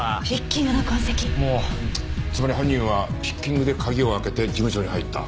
つまり犯人はピッキングで鍵を開けて事務所に入った。